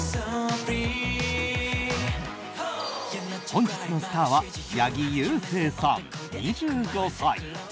本日のスターは八木勇征さん、２５歳。